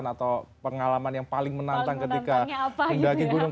atau pengalaman yang paling menantang ketika mendaki gunung